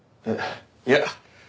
いや。